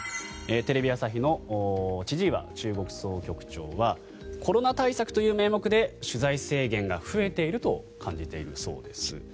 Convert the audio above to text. テレビ朝日の千々岩中国総局長はコロナ対策という名目で取材制限が増えていると感じているそうです。